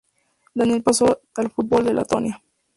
Daniel pasó al fútbol de Letonia.